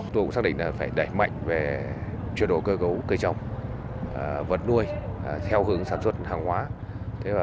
tôi cũng xác định là phải đẩy mạnh về chuyển đổi cơ cấu cây trồng vật nuôi theo hướng sản xuất hàng hóa